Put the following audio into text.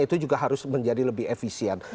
itu juga harus menjadi lebih efisien